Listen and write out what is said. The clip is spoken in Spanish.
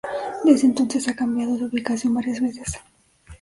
Desde entonces ha cambiado de ubicación varias veces.